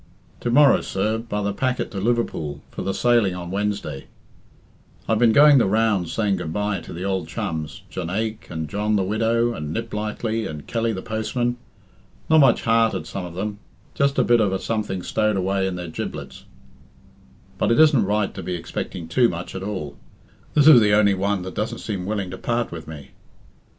"To morrow, sir, by the packet to Liverpool, for the sailing on Wednesday. I've been going the rounds saying 'goodbye' to the ould chums Jonaique, and John the Widow, and Niplightly, and Kelly the postman. Not much heart at some of them; just a bit of a something stowed away in their giblets; but it isn't right to be expecting too much at all. This is the only one that doesn't seem willing to part with me."